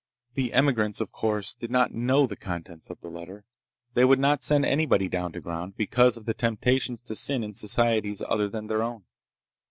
The emigrants, of course, did not know the contents of the letter. They would not send anybody down to ground, because of the temptations to sin in societies other than their own.